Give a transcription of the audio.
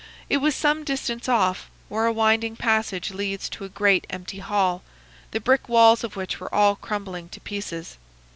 It was some distance off, where a winding passage leads to a great empty hall, the brick walls of which were all crumbling to pieces.